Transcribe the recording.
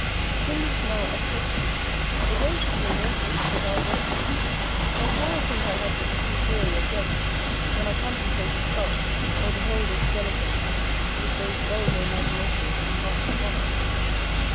In these moral acceptions, the way to be immortal is to die daily; nor can I think I have the true theory of death, when I contemplate a skull or behold a skeleton with those vulgar imaginations it casts upon us.